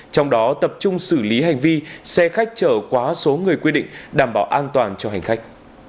trong đó tập trung xử lý hành vi xe khách chở quá số người quy định đảm bảo an toàn cho hành khách